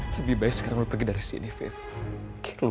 lebih baik sekarang kamu pergi dari sini afis